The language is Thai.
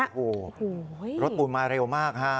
โอ้โหรถปูนมาเร็วมากฮะ